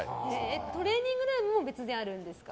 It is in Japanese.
トレーニングルームも別にあるんですか？